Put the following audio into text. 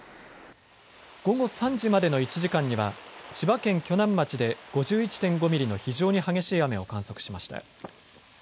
午後３時までの１時間には千葉県鋸南町で５１．５ミリの非常に激しい雨を観測しました。